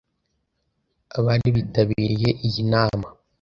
Abari bitabiriye iyi nama